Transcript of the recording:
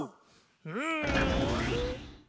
うん！